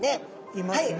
いますね。